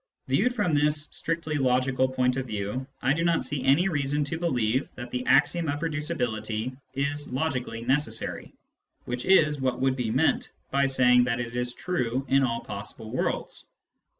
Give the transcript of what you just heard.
Classes 101 Viewed from this strictly logical point of view, I do not see any reason to believe that the axiom of reducibility is logically necessary, which is what would be meant by saying that it is true in all possible worlds.